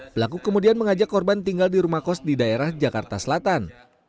pelaku kemudian mengajak korban tinggal di rumah kos di daerah jakarta selatan